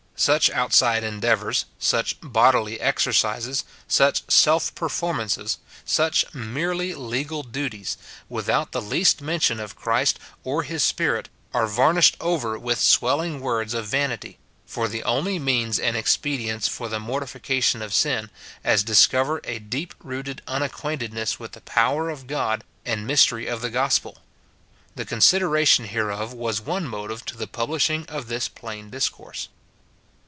Such out side endeavours, such bodily exercises, such self perform SIN IN BELIEVERS. 109 ances, sucli merely legal duties, without the least men tion of Christ or his Spirit, are varnished over with swelling words of vanity, for the only means and expe dients for the mortification of sin, as discover a deep rooted unacquaintedness with the power of God and mystery of the gospel. The consideration hereof was one motive to the publishing of this plain discourse.